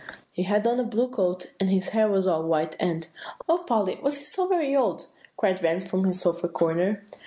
] "He had on a blue coat, and his hair was all white, and" "O Polly! was he so very old?" cried Van from his sofa corner.